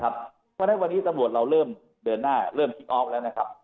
เพราะฉะนั้นวันนี้ตำรวจเราเริ่มเดินหน้าเริ่มคิกออฟแล้วนะครับ